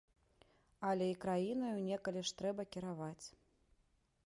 Але і краінаю некалі ж трэба кіраваць.